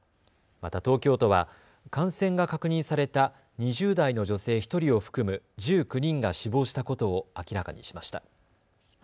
また東京都は感染が確認された２０代の女性１人を含む１９人が死亡したことを明らかにしました。